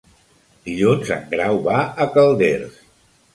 Dilluns en Grau va a Calders.